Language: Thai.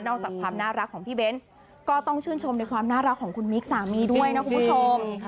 อกจากความน่ารักของพี่เบ้นก็ต้องชื่นชมในความน่ารักของคุณมิ๊กสามีด้วยนะคุณผู้ชม